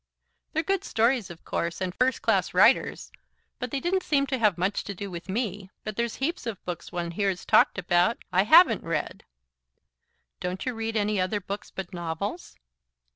They're good stories, of course, and first class writers, but they didn't seem to have much to do with me. But there's heaps of books one hears talked about, I HAVEN'T read." "Don't you read any other books but novels?"